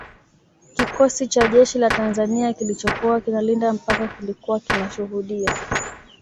Kikosi cha jeshi la Tanzania kilichokuwa kinalinda mpaka kilikuwa kinashuhudia